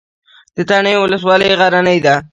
تڼیو ولسوالۍ غرنۍ ده؟